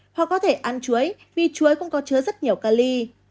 hoặc có thể ăn chuối vì chuối cũng có chứa rất nhiều cali